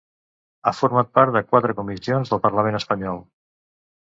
Ha format part de quatre comissions del Parlament espanyol.